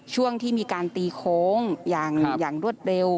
ช่วงที่มีการตีโค้งอย่างรวดเร็ว